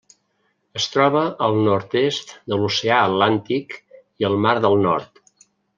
Es troba al nord-est de l'Oceà Atlàntic i al Mar del Nord.